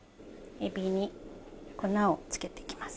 エビに粉をつけていきます。